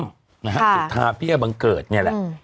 ค่ะจุธาพิเศษบังเกิดเนี่ยแหละ